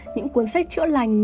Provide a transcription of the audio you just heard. những cuốn sách chữa lành